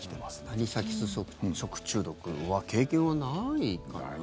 アニサキス食中毒は経験はないかな？